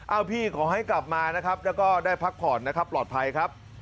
พี่ขอให้กลับมานะครับแล้วก็ได้พักผ่อนนะครับปลอดภัยครับ